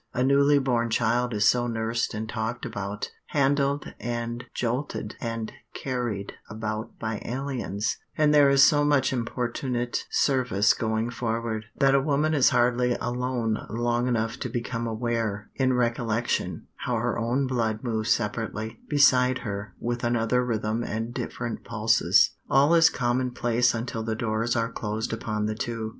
A newly born child is so nursed and talked about, handled and jolted and carried about by aliens, and there is so much importunate service going forward, that a woman is hardly alone long enough to become aware, in recollection, how her own blood moves separately, beside her, with another rhythm and different pulses. All is commonplace until the doors are closed upon the two.